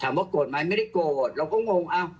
ถามว่าโกรธไหมไม่ได้โกรธเราก็งง